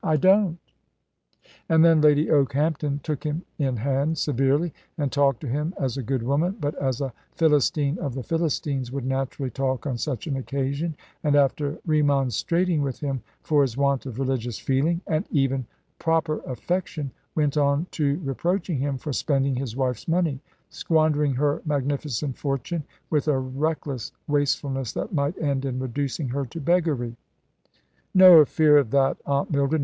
"I don't." And then Lady Okehampton took him in hand severely, and talked to him as a good woman, but as a Philistine of the Philistines, would naturally talk on such an occasion; and after remonstrating with him for his want of religious feeling, and even proper affection, went on to reproaching him for spending his wife's money, squandering her magnificent fortune with a reckless wastefulness that might end in reducing her to beggary. "No fear of that, Aunt Mildred.